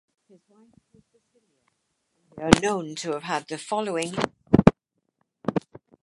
His wife was Basilia and they are known to have had the following issue.